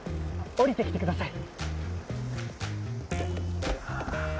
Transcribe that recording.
降りてきてください。